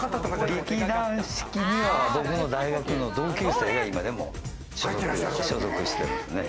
劇団四季には僕の大学の同級生が今でも所属してますね。